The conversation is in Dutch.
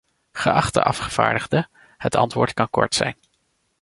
Geachte afgevaardigde, het antwoord kan kort zijn.